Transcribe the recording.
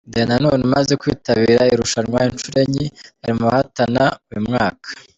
Danny Nanone umaze kwitabira iri rushanwa inshuro enye ari mu bahatana uyu mwaka.